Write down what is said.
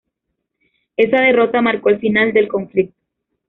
Esa derrota marcó el final del conflicto.